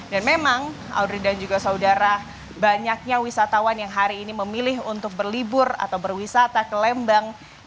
dan memang audrey dan juga saudara banyaknya wisatawan yang hari ini memilih untuk berlibur atau berwisata ke lembang